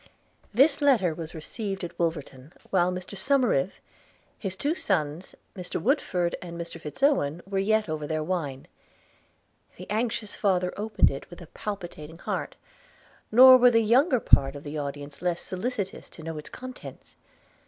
This letter was received at Wolverton while Mr Somerive, his two sons, Mr Woodford and Mr Fitz Owen were yet over their wine. The anxious father opened it with a palpitating heart, nor were the younger part of the audience less solicitous to know its contents.